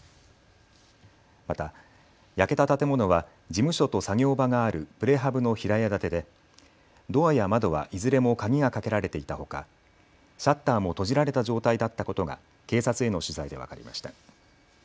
また、焼けた建物は事務所と作業場があるプレハブの平屋建てでドアや窓はいずれも鍵がかけられていたほか、シャッターも閉じられた状態だったことが警察への取材で分かりました。